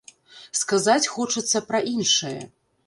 Сказаць хочацца пра іншае.